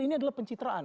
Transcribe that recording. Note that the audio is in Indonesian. ini adalah pencitraan